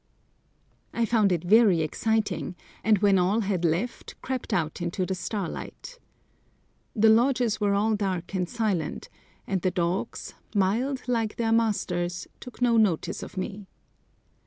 I found it very exciting, and when all had left crept out into the starlight. The lodges were all dark and silent, and the dogs, mild like their masters, took no notice of me.